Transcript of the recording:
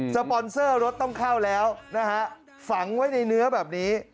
ปอนเซอร์รถต้องเข้าแล้วนะฮะฝังไว้ในเนื้อแบบนี้